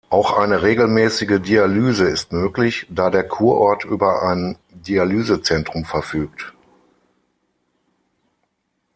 Auch eine regelmäßige Dialyse ist möglich, da der Kurort über ein Dialysezentrum verfügt.